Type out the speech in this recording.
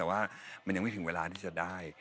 แต่ว่ามันยังไม่ถึงเวลาที่จะได้